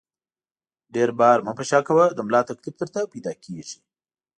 ډېر بار مه په شا کوه ، د ملا تکلیف درته پیدا کېږي!